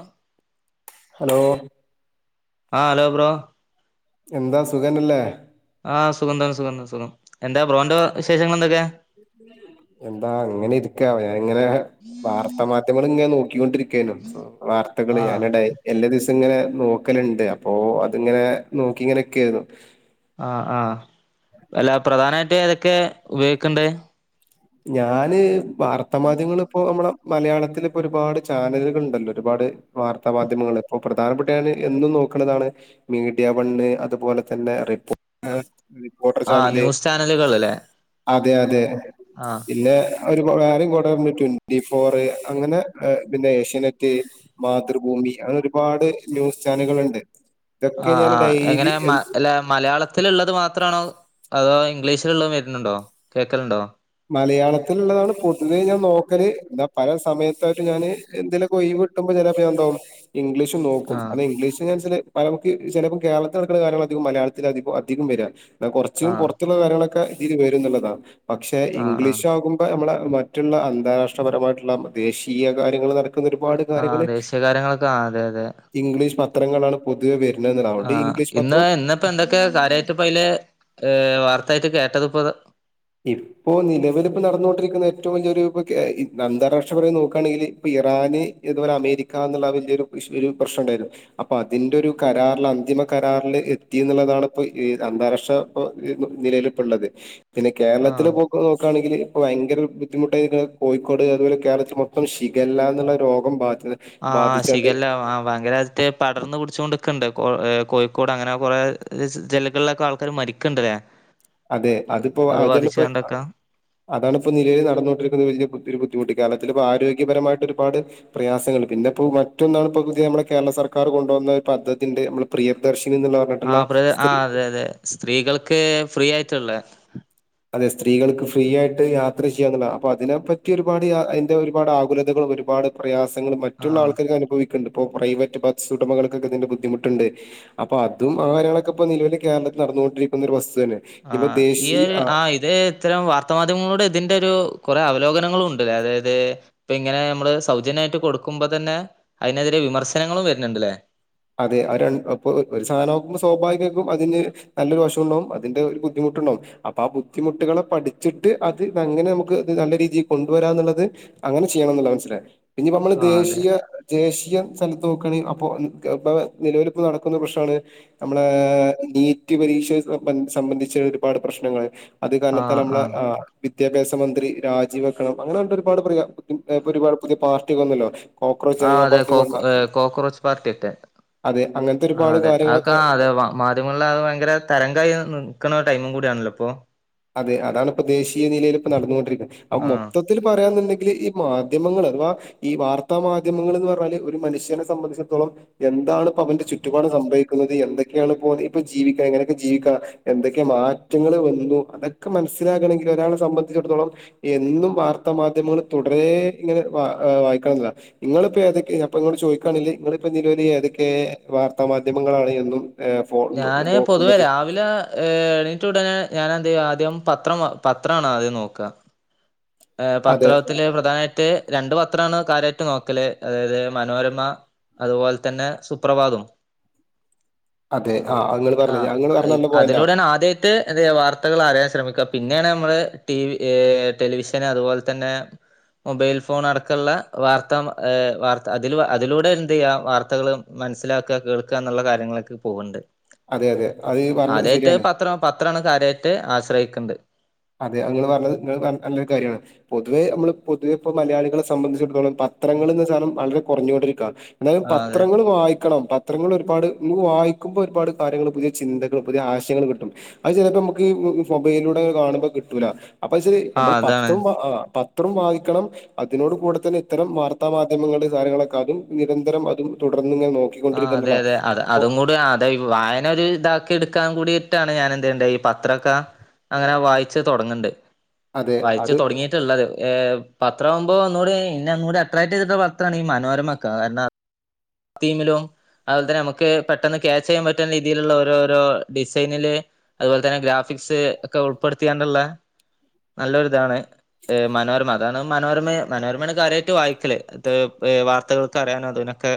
അഹ് hello ആഹ് hello bro എന്താ സുഖന്നല്ലേ ആഹ് സുഖം തന്നെ സുഖം തന്നെ സുഖം എന്താ ബ്രോന്റെ വിശേഷങ്ങളെന്തൊക്കെ എന്താ ഇങ്ങനെ ഇരിക്ക അപ്പഞാനിങ്ങനെ വാർത്താ മാധ്യമങ്ങളിങ്ങനെ നോക്കികൊണ്ടി ക്കെനു വാർത്തകള് ആഹ് ഞാന് ഡൈ എല്ല ദിവസുങ്ങനെ നോക്കല്ണ്ട്. അപ്പോ അത്ങ്ങനെ നോക്കിങ്ങനെക്കെയ്ര്ന്നു ആഹ് ആഹ് അല്ല പ്രധാനായിട്ട് ഏതെക്കെ ഉപയൊഗിക്ക്ണ്ട് ഞാന് വാർത്താ മാധ്യങ്ങള്പ്പോ നമ്മള മലയാളത്തില് പ്പൊരുപാട് ചാനലുകൾ ണ്ടല്ലോ ഒരുപാട് വാർത്ത മാധ്യമങ്ങള്, പ്പോ പ്രധാനപ്പെട്ടായൊണ്ട് എന്നും നോക്ക്ണതാണ് മീഡിയ വണ്ണ് അതുപോലെ തന്നെ റിപ്പോ [inaudible] പ്പോട്ടർ ആഹ് ചാനല് ന്യൂസ് ചാനലുകൾല്ലേ അതെ അതെ ആഹ് പിന്നെ ഒരു വേറിം കൊടേണ്ട് ട്വന്റി ഫോറ് അങ്ങനെ പിന്നെ ഏഷ്യനെറ്റ് മാതൃഭൂമി അങ്ങനൊരുപാട് ന്യൂസ് ചാനല്കള്ണ്ട് ആഹ് ആഹ് എങ്ങനെ മ ലെ മലയാളത്തില്ള്ളത് മാത്രാണോ അതോ ഇംഗ്ലീഷിലിള്ളതും വര്ന്നിണ്ടോ കേക്കല്ണ്ടോ മലയാളത്തില്ള്ളതാണ് പൊതുവേ ഞാൻ നോക്കല്, ന്നാ പല സമയത്തായിട്ട് ഞാന് എന്തെലൊക്കെ ഒയിവ് കിട്ടുമ്പോ ചെലേപ്പൊ ഞാൻന്താവും ഇംഗ്ലീഷും നോക്കും ആഹ് കാരണം ഇംഗ്ലീഷ് ന്ന് വെച്ചാല് അ ഞമ്മക്ക് ചെലേപ്പം കേരളത്തില് നടക്ക്ണ കാര്യങ്ങള് അധികം മലയാളത്തില് അധികം വര കൊറച്ചും ആഹ് പൊറത്ത്‌ കാര്യങ്ങളൊക്കെ ഇതില് വരുംനിള്ളതാ പക്ഷെ ആഹ് ആഹ് ഇംഗ്ലീഷ് ആകു മ്പ ഞമ്മളെ മറ്റുള്ള അന്താരാഷ്ട്രപരമായിട്ടിള്ള ദേശീയ കാര്യങ്ങള് നടക്കിന്ന ഒരുപാട് ആഹ് കാര്യങ്ങള് ദേശീയ കാര്യങ്ങളൊക്കെ ആഹ് അതെ അതെ ഇംഗ്ലീഷ് പത്രങ്ങളാണ് പൊതുവേ വരുന്ന [unintelligible] ആഹ് ഇംഗ്ലീഷ് ഇന്ന് പത്രും ഇപ്പ ഇന്നിപ്പോ എന്തക്കെ കാര്യയിട്ട്പ്പ അതിൽ വാർത്തായിട്ട് കേട്ടത്പ്പൊ ഈപ് ഇപ്പോ നിലവിൽ പ്പ നടന്നുകൊണ്ടിരിക്കുന്ന ഏറ്റവും വലിയൊരു ഇ അന്താരാഷ്ട്ര പരമായി നോക്കാണെങ്കിൽ ഇപ്പ ഇറാന് ഇത് വരെ അമേരിക്കാന്ള്ള ആ വല്ല്യേ ഒരു ഇഷു ഒരു പ്രശ്നണ്ടായല്ലോ അപ്പ അതിന്റെ ഒരു കരാറിൽ അന്തിമ കരാറിൽ എത്തിന്ന്ള്ളതാണ് ഇപ്പോ ഈ അന്താരാഷ്ട്ര ഇപ്പോ നിലവിൽ ഇപ്പള്ളത് പിന്നെ കേരളത്തിൽ ആഹ് ഇപ്പോ ഇപ്പോ നോക്കാണെങ്കിൽ ഇപ്പ ഭയങ്കര ബുദ്ധിമുട്ടായിന്ക്ക്ണ കോഴിക്കോട് അത്പോലെ കേരളത്തില് മൊത്തം ഷിഗെല്ല ന്ന്ള്ള രോഗം ബാധിത ആഹ് ഷിഗെല്ല ആഹ് ഭയങ്കരത്തെ പടർന്ന് പിട്ച്ച് കൊണ്ട് ക്ക്ണ്ട് കോ ഏഹ് കോഴിക്കോട് അങ്ങനെ കൊറേ ജല്ലകളിലൊക്കെ ആൾക്കാർ മരിക്ക്ണ്ട് ലേ അതെ അത്പ്പോ അതന്നപ്പോ ആ ബാധിച്ചാണ്ടൊക്കെ അതാണ്പ്പോ നിലവിൽ നടന്ന്കൊണ്ടിരിക്കുന്ന വല്ലേ ഒരു ബുദ്ധിമുട്ട് കേരളത്തിൽ ഇപ്പോ ആരോഗ്യപരമായിട്ട് ഒരുപാട് പ്രയാസങ്ങൾ പിന്നെ ഇപ്പോ മറ്റൊന്നാണ് ഇപ്പോ പുതിയ നമ്മടെ കേരള സർക്കാർ കൊണ്ട് വന്ന പദ്ധതിണ്ട് നമ്മളെ പ്രിയദർശിനി ന്ന്ള്ള ആഹ് പ്രിയാ ആഹ് അതെ അതെ സ്ത്രീകൾക്ക് ഫ്രീ ആയിട്ട്ള്ളേ അതെ സ്ത്രീകൾക്ക് ഫ്രീ ആയിട്ട് യാത്ര ച്ചിയ്യാന്ന്ള്ളതാ അപ്പൊ അതിനെ പറ്റി ഒരുപാട് യാ എന്താ ഒരുപാട് ആകുലതകളും ഒരുപാട് പ്രയാസങ്ങൾ മറ്റുള്ള ആഹ് ആൾക്കാര്ക്ക് അനുഭവിക്ക്ണ്ട് ഇപ്പോ പ്രൈവറ്റ് ബസ്സ് ഉടമകൾക്കൊക്കെ ഇതിന്റെ ബുദ്ധിമുട്ട്ണ്ട് അപ്പൊ അതും ആ കാര്യങ്ങളെക്ക ഇപ്പ നിലവിൽ കേരളത്തിൽ നടന്നുകൊണ്ടിരിക്കുന്ന ഒരു വസ്തു തന്നെ ഇനിയിപ്പോ ആഹ് ഈ ദേശീയ ഒര് ആ ആഹ് ഇത് ഇത്തരം വാർത്താമാധ്യമങ്ങളൂടെ ഇതിന്റെ ഒരു കൊറേ അവലോകനങ്ങളും ഉണ്ട്ല്ലേ അതായത് ഇപ്പ ഇങ്ങനെ നമ്മള് സൗജന്യയിട്ട് കൊടുക്കുമ്പോ തന്നെ അതിനെതിരെ വിമർശനങ്ങളും വര്ന്ണ്ട് ല്ലേ അതെ അത് രണ്ട് അപ്പൊ ഒരു സാ നാകുമ്പോൾ സ്വാഭാവികായ്ക്കും അതിന് നല്ലൊരു വശുണ്ടാവും അതിന്റെ ഒരു ബുദ്ധിമുട്ടുണ്ടാവും അപ്പാ ആ ബുദ്ധിമുട്ട്കളെ പഠിച്ചിട്ട് അത് എങ്ങനെ നമുക്ക് അത് നല്ല രീതി കൊണ്ടുവരാന്ന്ള്ളത് അങ്ങനെ ച്ചിയ്യണം ന്ന്ള്ളത് മനസ്സിലായോ ഇഞ്പ്പോ നമ്മള് ആ അതെ ദേശീയ ദേശീയ സ്ഥലത്ത് നോക്കാണെങ്കി അപ്പൊ [unintelligible] നിലവിൽ ഇപ്പോ നടക്കുന്ന പ്രശ്നാണ് നമ്മളെ നീറ്റ് പരീക്ഷ സംബന്ധി സംബന്ധിച്ച് ഒരുപാട് പ്രശ്നങ്ങൾ അത് ആ കാരണതാൽ ആ നമ്മളെ ആഹ് വിദ്യാഭ്യാസ മന്ത്രി രാജിവെക്കണം അങ്ങനെ പറഞ്ട്ട് ഒരുപാട് പ്രിയ ഒരുപാട് പുതിയ പാർട്ടി ഒക്കെ വന്നല്ലോ കോക്രോച്ച് ആഹ് ജനതാ അതെ പാർട്ടി കോക്കോ പോലുള്ള ഏഹ് കോക്രോച്ച് പാർട്ടേ റ്റെ അതെ അങ്ങനത്തെ ഒരുപാട് ആഹ് അതെ കാര്യങ്ങളൊക്കെ [unintelligible] മാധ്യമങ്ങളിൽ അത് ഭയങ്കര തരങ്കായി നി നിക്ക്ണ ടൈമും കൂടിയാണല്ലോ ഇപ്പൊ അതെ അതാണ് ഇപ്പ ദേശീയ നിലയിൽ ഇപ്പ നടന്ന്കൊണ്ടിരിക്കുന്ന് അപ്പ ആ മൊത്ത ത്തിൽ പറയാന്ന്ണ്ടെങ്കിൽ ഈ മാധ്യമങ്ങൾ അഥവാ ഈ വാർത്താ മാധ്യമങ്ങൾന്ന് പറഞ്ഞാല് ഒരു മനുഷ്യനെ സംബന്ധിച്ചട്ത്തോളം എന്താണ് പ്പ അവന്റെ ചുറ്റുപാട് സംഭവിക്കുന്നത് എന്തക്കെണ് ഇപ്പോ ഇപ്പ ജീവിക്ക എങ്ങനെക്കെ ജീവിക്ക എന്തക്കെ മാറ്റങ്ങൾ വന്നു അതൊക്കെ മനസ്സിലാകണങ്കിൽ ഒരാളെ സംബന്ധിച്ചട്ത്തോളം എന്നും വാർത്താ മാധ്യമങ്ങൾ തുടരെ ഇങ്ങനെ വ വായിക്കണില്ല ഇങ്ങൾപ്പ ഏതൊക്കെ ഞാ ഇപ്പ ഇങ്ങളോട് ചോയിക്കാണെങ്കി ഇങ്ങൾപ്പോ നിലവിൽ ഏതക്കെ വാർത്ത മാധ്യമങ്ങളാണ് എന്നും ഏഹ് ഫോ ഞാന് പൊതുവേ നോക്കുന്നത്? രാവിലെ ഏഹ് എണീറ്റ ഉടനെ ഞാൻ എന്തിയും ആദ്യം പത്രം വ പത്രാണ് ആദ്യം നോക്ക അതെ പത്രത്തിൽ പ്രധാനായിട്ട് രണ്ട് പത്രാണ് കാര്യയിട്ട് നോക്കല് അതായത് മനോരമ അത്പോല് തന്നെ സുപ്രഭാതും അതെ ആഹ് അത് ഇങ്ങള് പറഞ്ഞത് ഇങ്ങള് പറഞ്ഞ ആഹ് നല്ല പോയിന്റാ അതിലൂടെണ് ആദ്യ ട്ട് എന്തിയ വാർത്തകൾ അറിയാ ശ്രമിക്ക പിന്നെണ് നമ്മൾ ടിവി ഏഹ് ടെലിവിഷ ൻ അത്പോല് തന്നെ മൊബൈൽ ഫോൺ അടക്കള്ള വാർത്ത ഏഹ് വാർത്ത അതിൽ അതിലൂടെ എന്തിയ്യ വാർത്തകൾ മനസ്സിലാക്ക കേൾക്കുക എന്നുള്ള കാര്യങ്ങളൊക്കെ പോകണ്ട് അതെ അതെ അത് പറഞ്ഞത് ആദ്യായിട്ട് ശരിയാണ് പത്രം പത്രമാണ് കാര്യയിട്ട് ആശ്രയിക്കണ്ട് അതെ അത് നിങ്ങള് പറഞ്ഞത് നിങ്ങൾക്ക് പറഞ്ഞത് നല്ലൊരു കാര്യമാണ് പൊതുവേ നമ്മൾ പൊതുവെ ഇപ്പൊ മലയാളികളെ സംബന്ധിച്ചിടത്തോളം പത്രങ്ങൾന്ന് സാധനം വളരെ കുറഞ്ഞുകൊണ്ടിരിക്കാണ് ന്താലും ആഹ് അതെ പത്രങ്ങൾ വായിക്കണം പ ത്രങ്ങൾ ഒരുപാട് ന്നു വായിക്കുമ്പ ഒരുപാട് കാര്യങ്ങൾ പുതിയ ചിന്തകൾ പുതിയ ആശയങ്ങൾ കിട്ടും. അത് ചിലപ്പോ മ്മക്ക് ഫോബൈലൂടെ കാണുമ്പക് ട്ടൂല അപ്പച്ചാൽ നമ്മൾ ആഹ് അതാണ് പത്രും ആഹ് പ ത്രും വായിക്കണം. അതിനോട് കൂടെ തന്നെ ഇത്തരം വാർത്താ മാധ്യമങ്ങൾ കാര്യങ്ങളൊക്കെ അതും നിരന്തരം അതും തുടർന്ന്ങ്ങ നോ ആഹ് അതെ അതെ അത് അതുംകൂടി ആ ദ ഈ വായന ഒര് താക്കിട്ക്കാൻ കൂടിട്ടാണ് ഞാനന്തയ്യണ്ടെ ഈ പത്രൊക്കെ. അങ്ങനെ വായിച്ച് തൊടങ്ങ്ണ്ട് അതെ വായിച്ച് അത് തൊടങ്ങി. ട്ട്ള്ളത് ഏ പത്രവുമ്പോന്നൂടി ഇനന്നൂ അട്രാക്ട് ചെയ്തിട്ടപത്രമാണ് ഈ മനോരമക്കെ കാരണം. തീമിലും അതൊൽതന്നെ നമക്ക് പെട്ടെന്ന് ക്യാച്ച് ചെയ്യാൻ പറ്റുന്ന രീതിയിലുള്ള ഓരോരോ ഡിസൈനില്. അത്പോല തന്നെ ഗ്രാഫികസ് ഒക്കെ ഉൾപ്പെടുത്യണ്ട്ള്ളെ നല്ലൊര്താണ്. ഹ് മനോരമ. താണ് മനോരമേ മനോരമേണ് കാര്യായിട്ട് വായിക്കൽ അത് ഏ വാർത്തകളൊക്കെ അറിയാനും അതിനൊക്കെ.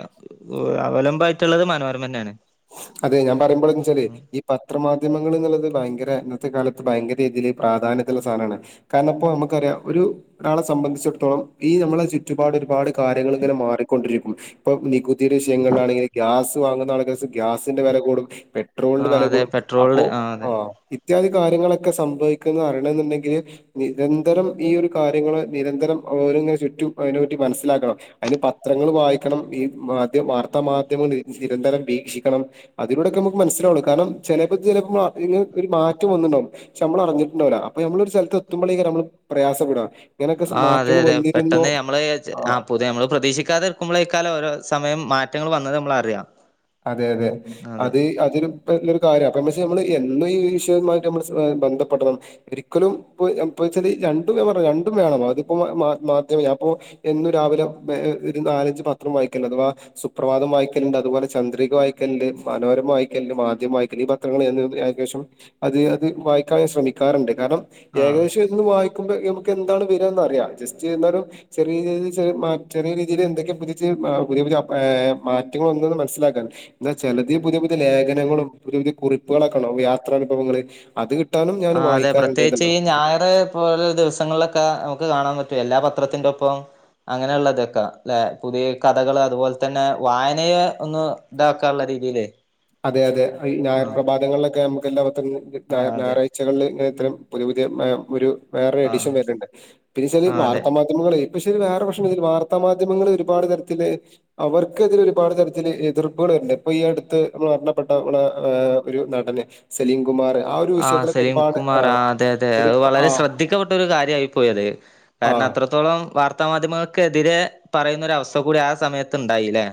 അവലംബയിട്ട്ള്ളത് മനോരമനെണ്. അതെ ഞാൻ പറയുമ്പോളന്ത്‌ച്ചാലേ. ഈ പത്രമാധ്യമങ്ങൾന്ന്ള്ളത് ഭയങ്കര ഇന്നത്തെ കാലത്ത് ഭയങ്കര രീതിൽ പ്രാധാന്യത്ത്ല്ള്ള സാനാണ്. കാരണം ഇപ്പോ മ്മക്കറിയ ഒരു. ഒരാളെ സംബന്ധിച്ചിടത്തോളം ഈ ഞമ്മളെ ചുറ്റുപാട് ഒരുപാട് കാര്യങ്ങൾ ഇങ്ങനെ മാറിക്കൊണ്ടിരിക്കും. ഇപ്പം നികുതിയുടെ വിഷയങ്ങളിലാണെങ്കിൽ ഗ്യാസ് വാങ്ങുന്ന ആളുകൾസ് ഗ്യാസിന്റെ വേല കൂടും പെ ആ ട്രോൾന്റെ അതെ വെലകൂടും അപ്പോ പെട്രോളില് അതെ ആ ഇത്യാദി കാര്യങ്ങളൊക്കെ സംഭവിക്ക്ന്നെ അറിയണന്ന്ണ്ടങ്കിൽ. നിരന്തരം ഈ ഒരു കാര്യങ്ങൾ നിരന്തരം ഓരങ്ങചുറ്റുംഅയിനെപ്പറ്റി മനസ്സിലാക്കണം എ. അയിന് പത്രങ്ങൾ വായിക്കണം ഈ മാധ്യം വാർത്താ മാധ്യമങ്ങ നിരന്തരം വീക്ഷിക്കണം. ക്കണം അതിലൂടക്കമ്മക്ക്‌ മനസ്സിലാവള്ളൂ കാരണം ചെലപ്പോ ഇത് ചിലപ്പോ ഒരു മാറ്റം വന്ന്ണ്ടാവും. ഷ മ്മറഞ്ഞിട്ട് ണ്ടവുല അപ്പൊ മ്മൾ ഒരു സ്ഥലത്ത് എത്തുമ്പളെക്കാരം മ്മള് പ്രയാസപ്പെട. ആഹ് അതെ അതെ പെട്ടെന്ന് ഞമ്മള് ച് ആ പുതിയ മ്മള് പ്രതീക്ഷിക്കാതെ. ക്കുമ്പളെക്കാലം ഓരോ സമയം മാറ്റങ്ങള് വന്നത് മ്മൾ അറിയ. അതെ അതെ അത് അതൊരു. പ്പ തൊരു കാര്യ അപ്പന്നച ന്നമ്മള് എന്നു ഈ വിശയുമായിട്ട് നമ്മൾ ബന്ധപ്പെടണം. ഒരിക്കലും പൊ പോച്ചാൽ രണ്ടും ഞാൻ പറഞ്ഞ രണ്ടും വേണം അതിപ്പോ മാധ്യമം ഞാൻ പ്പോ. എന്നും രാവിലെ വെ എ ഒരു നാലഞ്ച് പത്രം വായിക്കൽ അഥവാ സുപ്രഭതം വായിക്കൽണ്ട് അതുപോലെ. ചന്ദ്രിക വായിക്കൽണ്ട് മനോരമ വായിക്കൽണ്ട് മാധ്യമയിക്കല്ണ്ട് ഈ പത്രങ്ങൾ ഞാൻ ഏകദേശം അത് അത് വായിക്കാൻ ഞാൻ ശ്രമിക്കാറുണ്ട് കാരണം ആ ഏകദേശം. ന്ന് വായിക്കുമ്പോ മ്മക്ക് എന്താണ് വരാന്നറിയ ജസ്റ്റ് ന്നരു. ചെറിയ രീതിൽചെറിയ മ ചെറിയ രീതിയിൽ എന്തൊക്യോ പുതിയ ചി പുതിയ പുതിയ മാറ്റങ്ങൾവന്ന് മനസ്സി ലാക്കൻ എന്നാ ചെലതി പുതിയ പുതിയ ലേഖനങ്ങളും പുതിയ പുതിയ കുറിപ്പുകളൊക്കണ്ടാവും യാത്രാനുഭവങ്ങൾ. അത്ക്. ആഹ് അതെ പ്രത്യേച്ച് ഈ ഞായർ. പ്പോ ചേലെ ദിവസങ്ങൾലൊക്ക മ്മക്ക് കാണാൻ പറ്റും എല്ലാ പത്രത്തിന്റെ പ്പം. അങ്ങനെയുള്ളതൊക്ക അല്ലെ പുതിയ കഥകൾ അതുപോലെ തന്നെ വായനയെ ഒന്ന്. താ ക്കാള്ളരീതിലെ. അതെ അതെഈ ഞായർ പ്രഭാതങ്ങൾലൊക്കെ ഞമ്മക്ക് എല്ലാ പത്ര ആ ഞായർ അതെ ഞായർ. ച്ചകൾല് ഇങ്ങനെ ഇത്തരം പുതിയ പുതിയ നയം ഒരു വേറെ ആ എഡിഷൻ വര്ണ്ട് പിന്നെച്ചാല് ആ അതെ വാർത്ത മാ ധ്യമങ്ങള് പക്ഷേ വേറെ പ്രശ്നണ്ട് ഇതില് വാർത്താ മാധ്യമങ്ങള് ഒരുപാട് തരത്തില്. അവർക്കെതിരെ ഒരുപാട് തരത്തിൽ എതിർപ്പ്കള് വര്ണ്ട് ഇപ്പൊ ഈ അട്ത്ത്. അന്ന് മരണപ്പെട്ട നമ്മളെ ഏഹ് ഒരു നടന് സലിം കുമാർ ആ ഒരു ആ വിഷയത്തിലൊക്കെ സലീം ഒരുപാട് കുമാർ ആ അതെ അതെ ഒരു അത് വളരെ ആ ശ്രദ്ധിക്കപ്പെട്ട ഒരു കാര്യയി പോയത്. ആ കാരണം അത്രത്തോളം വാർത്താ മാധ്യമങ്ങൾക്കെതിരെ പറയുന്നൊര് അവസ്ഥ കൂടി ആ സമയത്ത് ഇണ്ടായിലെ.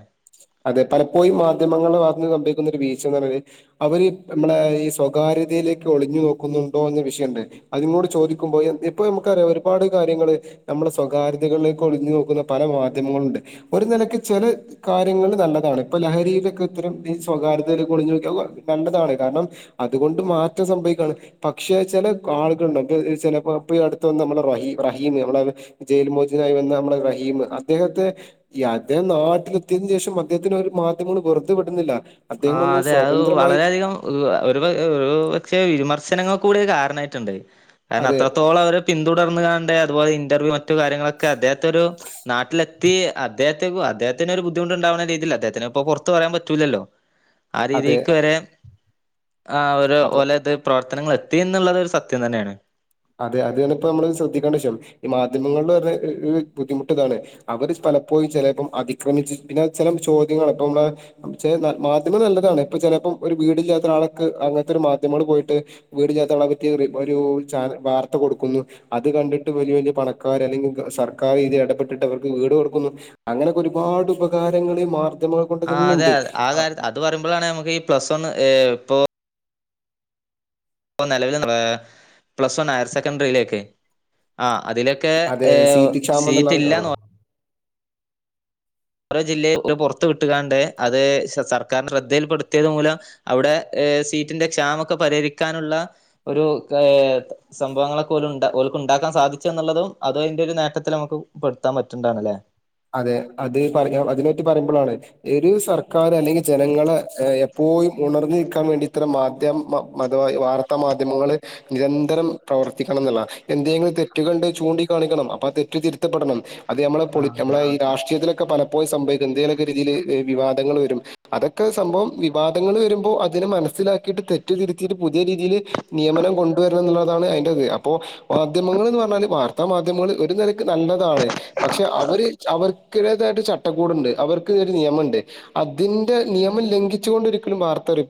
അതെ പലപ്പോയും മാധ്യമങ്ങളെ ഭാഗത്ത്ന്ന് സംഭവിക്കുന്ന രു വീച്ചർഞ്ഞാല് അവര് അമ്മള ഈ സ്വകാര്യതയിലേക്ക് ഒളിഞ്ഞു നോക്കുന്നുണ്ടോ എന്ന വിഷയണ്ടയിനി. അതിനോട് ചോയ്ക്കുമ്പോ എ ഇപ്പൊ ഞമ്മക്കറിയ ഒരുപാട് കാര്യങ്ങള് നമ്മുടെ സ്വകാര്യതകളിലേക്ക് ഒളിഞ്ഞു നോക്കുന്ന പല മാധ്യമങ്ങളുണ്ട് ഒരു നിലക്ക് ചില കാ ര്യങ്ങള് നല്ലതാണ് ഇപ്പൊ ലഹരിയിലൊക്കെ ഇത്തരം ഈ സ്വകാര്യതയിൽ ഒളിഞ്ഞോക്കുക നല്ലതാണ് കാരണം അതുകൊണ്ട് മാറ്റം സംഭവിക്കാണ്. പക്ഷെ ചില ആളുകളുണ്ട് ചിലപ്പോ ഇപ്പ അടുത്ത വന്ന് നമ്മുടെ റ റഹീം നമ്മള ജയിൽ മോചിതനായി വന്ന നമ്മളുടെ റഹീം അദ്ദേഹത്തെ ഈ അദ്ദേഹം നാട്ടിൽ ത്തിയതിന് ശേഷം അദ്ദേഹത്തിന് ഒരു മാധ്യമങ്ങൾ വെറുതെ വിടുന്നില്ല. ആ അദ്ദേഹം ഒന്ന് അതെ അത് സ്വതന്ത്രമായി വളരെയധികം ഒരു ഒരു പക്ഷെ വിമർശനങ്ങൾ കൂടി കാരണായിട്ടുണ്ട് കാരണം അതെ അത്രത്തോളം അവര് പിന്തുടർന്നാണ്ട് അതുപോലെ ഇന്റർവ്യൂ മറ്റു കാര്യങ്ങളൊക്കെ അദ്ദേഹത്തെ ഒരു നാട്ടിലെത്തി അദ്ദേഹത്തെ അദ്ദേഹത്തിന് ഒരു ബുദ്ധിമുട്ടുണ്ടാവുന്ന രീതിയിൽ അദ്ദേഹത്തിന് ഇപ്പോ പുറത്ത് പറയാൻ പറ്റൂല്ലല്ലോ. ആ അതെ രീതിക്ക് വരെ ആ ഒരു അപ്പൊ ഓലത് പ്രവർത്തനങ്ങൾ എത്തി എന്നുള്ളത് ഒരു സത്യം തന്നെയാണ്. അതെ അതാണ് ഇപ്പോ നമ്മള് ശ്രദ്ധിക്കേണ്ട വിഷയം ഈ മാധ്യമങ്ങള് വെറുതെ ബുദ്ധിമുട്ട് ഇതാണ് അവര് പലപ്പോഴും ചില ഇപ്പോം അതിക്രമിച്ചു പിന്നെ ചില ചോദ്യങ്ങൾ അപ്പ നമ്മളെ മാധ്യമം നല്ലതാണ് ഇപ്പൊ ചിലപ്പോം ഒരു വീടില്ലാത്ത ഒരാളൊക്കെ അങ്ങനത്തൊരു മാധ്യമങ്ങള് പോയിട്ട് വീട് ഇല്ലാത്തവരെ പറ്റി ഒരു വാർത്ത കൊടുക്കുന്നു. അത് കണ്ടിട്ട് വലിയ വലിയ പണക്കാർ അല്ലെങ്കിൽ സർക്കാർ ഇതിൽ ഇടപെട്ടിട്ട് അവർക്ക് വീട് കൊടുക്കുന്നു അങ്ങനെയൊക്കെ ഒരുപാട് ഉപകാരങ്ങള് മാർധ്യമ ആ അതെ അതെ ആ കാര്യ അത് പറയ്മ്പഴാണ് നമുക്ക് ഈ പ്ലസ് വൺ ഇപ്പൊ പ്പൊ നിലവിൽ പ്ലസ് വൺ ഹയർ സെക്കൻഡറിയിലേക്ക് ആ അതില് ക്കെ അതെ അതെ ഏഹ് സീറ്റ് ക്ഷാമം സീറ്റ് എന്നുള്ള ആ ഇല്ലാന്ന് ഓരോ ജില്ല ഒരു പൊർത്ത് വിട്ടുകാണ്ട് അത് സർക്കാരിന്റെ ശ്രദ്ധയിൽപ്പെടുത്തിയത് മൂലം അവിടെ ഏഹ് സീറ്റിന്റെ ക്ഷാമൊക്കെ പരിഹരിക്കാനുള്ള ഒരു ഏഹ് സംഭവങ്ങളൊക്ക ഓല്ണ്ട ഓല്ക്ക് ഉണ്ടാക്കാൻ സാധിച്ചു എന്നുള്ളതും അത് അതിന്റെ ഒരു നേട്ടത്തില് നമുക്ക് പെടുത്താൻ പറ്റണ്ടാണല്ലേ. അതെ അത് പറഞ്ഞ അതിനെപറ്റി പറയുമ്പോളാണ് ഒരു സർക്കാര് അല്ലെങ്കിൽ ജനങ്ങളെ എപ്പോഴും ഉണർന്ന് നിക്കാൻ വേണ്ടി ഇത്തരം മാധ്യമം മത വാർത്താ മാധ്യമങ്ങള് നിരന്തരം പ്രവർത്തിക്കണം ന്ന്ള്ള എന്തെങ്കിലും തെറ്റ് കണ്ട് ചൂണ്ടിക്കാണിക്കണം, അപ്പൊ ആ തെറ്റ് തിരുത്തപ്പെടണം അത് നമ്മളെ പൊളി ആഹ് അതെ നമ്മള ഈ രാഷ്ട്രീയത്തിലൊക്കെ പലപ്പോഴും സംഭവിക്ക്ന്നത് എന്തേലൊക്കെ രീതിയില് വിവാദങ്ങൾ വരും അതൊക്കെ സംഭവം വിവാദങ്ങൾ വരുമ്പോൾ അതിനെ മനസ്സിലാക്കിയിട്ട് തെറ്റ് തിരുത്തീട്ട് പുതിയ രീതിയില് നിയമനം കൊണ്ടുവരും എന്നുള്ളതാണ് അയിന്റത് അപ്പോ മാധ്യമങ്ങൾന്ന് പറഞ്ഞാല് വാർത്താ മാധ്യമങ്ങള് ഒരു നിലക്ക് നല്ലതാണ് പക്ഷെ അവര് അവർക്കടേതായിട്ട് ചട്ടക്കൂടുണ്ട് അവർക്ക് ഒരു നിയമംണ്ട്. അതിന്റെ നിയമം ലംഘിച്ചൊണ്ടൊരിക്കലും വാർത്തറി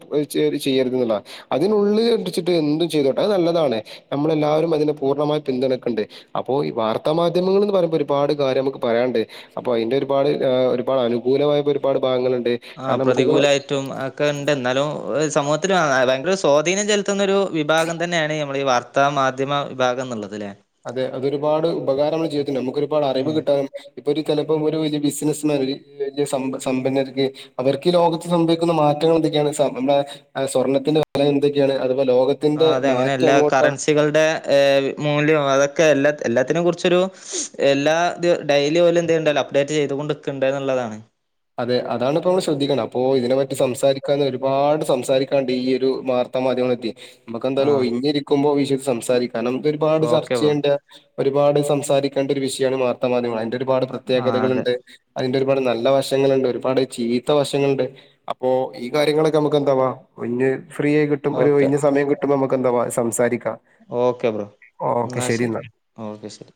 ചെയ്യരുത് എന്ന്ള്ളതാണ്. അതിനുള്ളിൽ വെച്ചിട്ട് എന്തും ചെയ്തോട്ടെ അത് നല്ലതാണ്. നമ്മളെല്ലാവരും അതിനെ പൂർണ്ണമായി പിന്തുണക്കുന്നുണ്ട് അപ്പോ വാർത്താ മാധ്യമങ്ങൾ എന്ന് പറയ്മ്പോ ഒരുപാട് കാര്യം നമുക്ക് പറയാനണ്ട് അപ്പൊ അതിന്റെ ഒരുപാട് ഒരുപാട് അനുകൂലമായട്ട് ഒരുപാട് ഭാഗങ്ങളുണ്ട് ആഹ് കാരണം നമുക്കിപ്പോ പ്രതികൂല ആയ തും ഒക്കെ ഉണ്ട് എന്നാലും സമൂഹത്തിന് ഭയങ്കര സ്വാധീനം ചെലുത്തുന്ന ഒരു വിഭാഗം തന്നെയാണ് നമ്മള ഈ വാർ ത്ത മാധ്യമ വിഭാഗം എന്നുള്ളത് അല്ലേ. അതെ അതൊരുപാട് ഉപകാരമാണ് മ്മളെ ജീവിതത്തിന് നമുക്ക് ഒരുപാട് അറിവ് ഉം കിട്ടാനും ഇപ്പൊ ഒരു ചിലപ്പോം ഒരു വലിയ ബിസിനസ്മാൻ, ഒരു വലിയ സമ്പന്നർക്ക് അവർക്ക് ഈ ലോകത്ത് സംഭവിക്കുന്ന മാറ്റങ്ങൾ എന്തൊക്കെയാണ് നമ്മുടെ സ്വർണത്തിന്റെ ഫലം എന്തൊക്കെയാണ് അതുപോ ലോക ആഹ് അതെ അങ്ങനെയ അല്ല കറൻസികളുടെ ഹ് മൂല്യോ അതൊക്കെ എല്ലാ എല്ലാത്തിനെ കുറിച്ചൊരു എല്ലാ ഡെയ്ലി ഓല് എന്ത യിണ്ടാലോ അപ്ഡേറ്റ് ചെയ്തുകൊണ്ട്ക്ക്ണ്ട് എന്നുള്ളതാണ്. അതെ അതാണ് ഇപ്പ നമ്മൾ ശ്രദ്ധിക്കണം അപ്പോ ഇതിനെ പറ്റി സംസാരി ഒരുപാട് സംസാരിക്കാണ്ട് ഈ ഒരു വാർത്താ മാധ്യമംങ്ങളെ പറ്റി ആ നമുക്കെന്താലും ഒയിഞ്ഞൊരി ക്കുമ്പോ വിശദായ് സംസാരിക്ക കാരണം ഒരുപാട് ഓക്കെ ചർച്ച ബ്രോ ചെയ്യണ്ടിയെ ഒരുപാട് സംസാരിക്കേണ്ട ഒരു വിഷയമാണ് വാർത്താമാധ്യമങ്ങൾ അതിന്റെ ഒരുപാട് ആ പ്രത്യേകതകൾ അതെ ഉണ്ട്. അയ്ന്റെ ഒരുപാട് ന്നല്ലെ വശങ്ങൾണ്ട് ഒരുപാട് ചീത്ത വശങ്ങള്ണ്ട് അപ്പോ ഈ കാര്യങ്ങളൊക്കെ ന്നമുക്ക് എന്താവാ കുഞ്ഞ് ഫ്രീ ആയി കിട്ട് ട്ടും ഓക്കെ ഒര്ഒഴിഞ്ഞ സമയം കിട്ടുമ്പോ അമ്മക്ക് എന്താവ സംസാരിക്കാം. ഓക്കെ ബ്രോ ഓക്കെ ഇന്നാ ശരി എന്നാ ശെരി ഓക്കെ ശെരി.